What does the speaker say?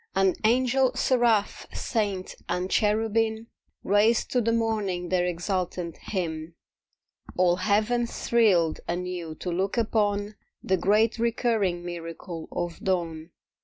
And Angel, Seraph, Saint and Cherubim Raised to the morning their exultant hymn. All Heaven thrilled anew to look upon The great recurring miracle of dawn.